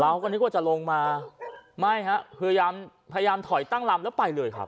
เราก็นึกว่าจะลงมาไม่ฮะพยายามพยายามถอยตั้งลำแล้วไปเลยครับ